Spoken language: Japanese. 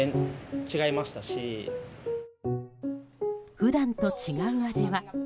普段と違う味は。